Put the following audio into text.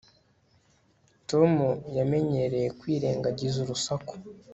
tom yamenyereye kwirengagiza urusaku